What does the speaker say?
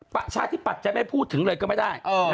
ประชาธิปัตย์จะไม่พูดถึงเลยก็ไม่ได้